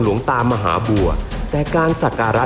ตามหาบัวแต่การสักการะ